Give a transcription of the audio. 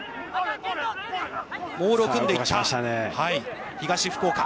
モールを組んでいった東福岡。